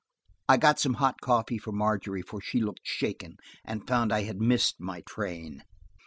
I got some hot coffee for Margery, for she looked shaken, and found I had missed my train.